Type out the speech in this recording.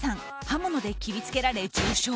刃物で切り付けられ重傷。